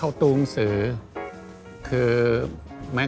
แล้วคงสุขสมใจ